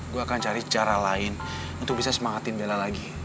gue akan cari cara lain untuk bisa semangatin bela lagi